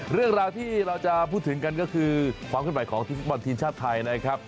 เรื่องราวที่เราจะพูดถึงกันก็คือความขึ้นไหวของทีมฟุตบอลทีมชาติไทยนะครับ